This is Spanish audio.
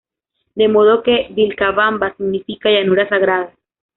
De modo que Vilcabamba significa "llanura sagrada".